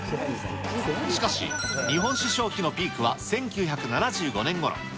しかし、日本酒消費のピークは１９７５年ごろ。